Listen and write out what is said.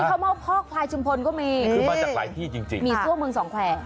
นี่เขาเมาะพอกพลายชุมพลก็มีขึ้นมาจากหลายที่จริงมีซั่วเมืองสองแควร